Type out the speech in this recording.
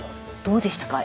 どうでしたか？